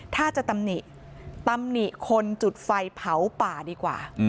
ถ้าจะตำหนิตำหนิคนจุดไฟเผาป่าดีกว่า